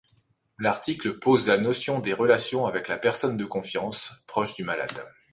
L'article pose la notion des relations avec la personne de confiance, proche du malade.